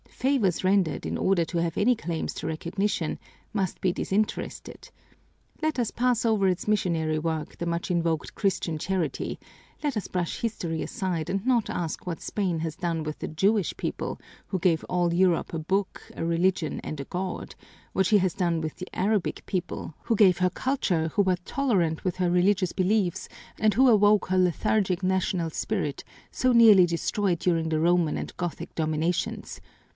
Favors rendered, in order to have any claims to recognition, must be disinterested. Let us pass over its missionary work, the much invoked Christian charity; let us brush history aside and not ask what Spain has done with the Jewish people, who gave all Europe a Book, a Religion, and a God; what she has done with the Arabic people, who gave her culture, who were tolerant with her religious beliefs, and who awoke her lethargic national spirit, so nearly destroyed during the Roman and Gothic dominations.